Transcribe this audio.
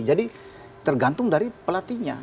jadi tergantung dari pelatihnya